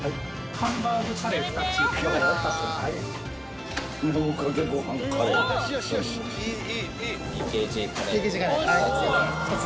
ハンバーグカレー２つ。